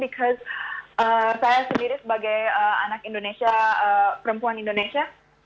karena saya sendiri sebagai anak perempuan indonesia